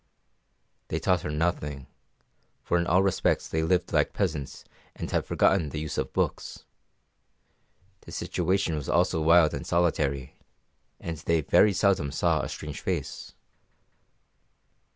They taught her nothing; for in all respects they lived like peasants and had forgotten the use of books. The situation was also wild and solitary, and they very seldom saw a strange face.